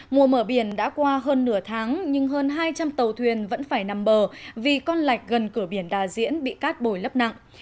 mùa mở biển đã qua hơn nửa tháng nhưng hơn hai trăm linh tàu thuyền vẫn phải nằm bờ vì con lạch gần cửa biển đà diễn bị cát bồi lấp nặng